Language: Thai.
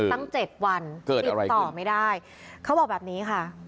ตั้ง๗วันติดต่อไม่ได้เขาบอกแบบนี้ค่ะ